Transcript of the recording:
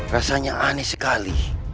rasanya aneh sekali